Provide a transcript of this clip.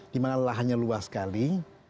di mana lahannya luas sekali